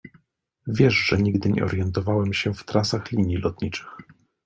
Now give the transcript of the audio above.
Wiesz, że nigdy nie orientowałem się w trasach linii lotniczych.